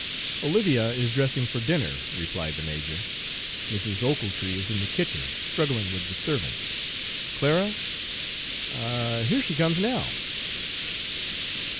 "Olivia is dressing for dinner," replied the major; "Mrs. Ochiltree is in the kitchen, struggling with the servants. Clara Ah, here she comes now!"